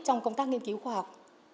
trong công tác nghiên cứu khoa học